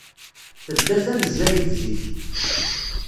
Tedda tanezzayt zik.